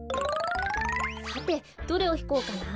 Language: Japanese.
さてどれをひこうかな。